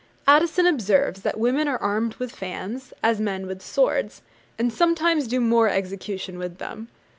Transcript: Addison observes that 'women are armed with fans, as men with swords, and sometimes do more execution with them.'